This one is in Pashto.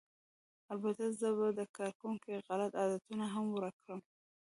البته زه به د کارکوونکو غلط عادتونه هم ورک کړم